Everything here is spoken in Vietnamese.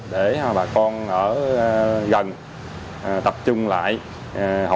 để bà con ở gần tập trung lại hỗ trợ